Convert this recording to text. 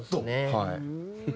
はい。